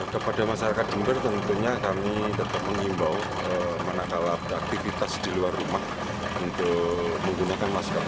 kepada masyarakat jember tentunya kami tetap mengimbau manakala beraktivitas di luar rumah untuk menggunakan masker